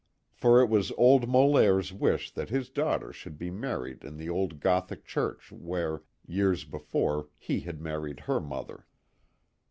For it was old Molaire's wish that his daughter should be married in the old Gothic church where, years before, he had married her mother.